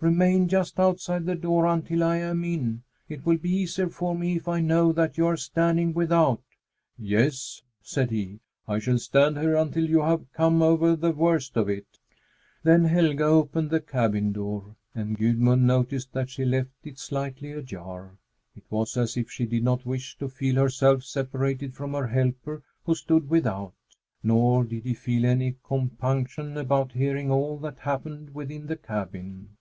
"Remain just outside the door until I am in. It will be easier for me if I know that you are standing without." "Yes," said he, "I shall stand here until you have come over the worst of it." Then Helga opened the cabin door, and Gudmund noticed that she left it slightly ajar. It was as if she did not wish to feel herself separated from her helper who stood without. Nor did he feel any compunction about hearing all that happened within the cabin.